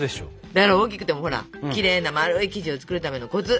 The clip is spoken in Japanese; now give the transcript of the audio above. だから大きくてもほらきれいな丸い生地を作るためのコツ！